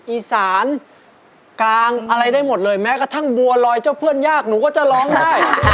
อีสานกลางอะไรได้หมดเลยแม้กระทั่งบัวลอยเจ้าเพื่อนยากหนูก็จะร้องได้